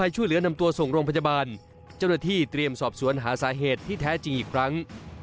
เจ้าหน้าที่เตรียมสอบซวนหาสาเหตุที่แท้จริงอีกครั้ง